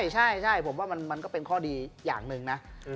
ใช่ผมว่ามันก็เป็นข้อดีอย่างหนึ่งนะ